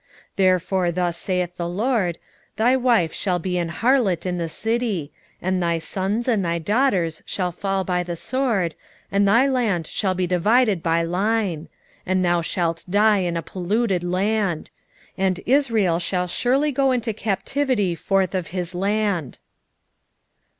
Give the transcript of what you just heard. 7:17 Therefore thus saith the LORD; Thy wife shall be an harlot in the city, and thy sons and thy daughters shall fall by the sword, and thy land shall be divided by line; and thou shalt die in a polluted land: and Israel shall surely go into captivity forth of his land.